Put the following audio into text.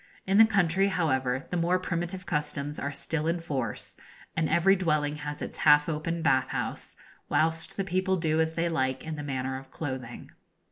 In the country, however, the more primitive customs are still in force, and every dwelling has its half open bath house, whilst the people do as they like in the matter of clothing.